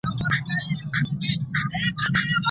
د بریا تاج یوازي لایقو کسانو ته نه سي منسوبېدلای.